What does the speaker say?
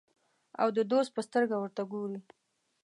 او د دوست په سترګه ورته ګوري.